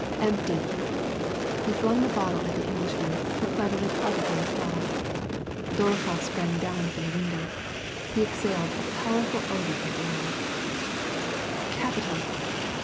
" Empty !'' He flung the bottle at the Englishman, who cleverly caught it on the fly. Dolokhof sprang down from the window. He exhaled a powerful odor of rum. " Capital